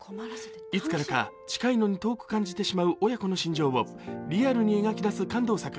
いつからか近いのに遠く感じてしまう親子の心情をリアルに描き出す感動作。